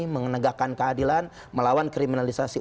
menegakkan keadilan melawan kriminalisasi